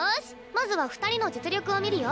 まずは２人の実力を見るよ！